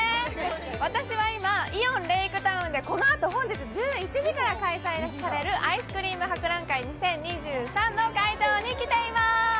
私は今、イオンレイクタウンでこのあと本日１１時から開催されるアイスクリーム博覧会２０２３の会場に来ていまーす。